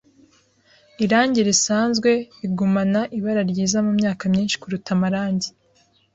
Irangi risanzwe rigumana ibara ryiza mumyaka myinshi kuruta amarangi.